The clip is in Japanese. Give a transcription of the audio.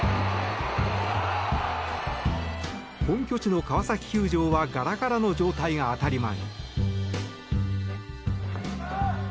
本拠地の川崎球場はガラガラの状態が当たり前。